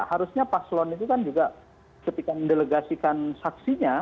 harusnya pak slon itu kan juga ketika mendelegasikan saksinya